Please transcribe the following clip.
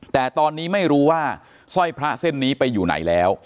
แต่ตอนนี้ไม่รู้ว่าสร้อยพระเส้นนี้ไปอยู่ไหนแล้ว